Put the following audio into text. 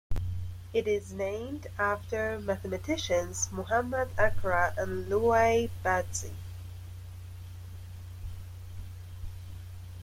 It is named after mathematicians Mohamad Akra and Louay Bazzi.